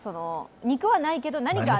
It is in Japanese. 肉はないけど何かはある？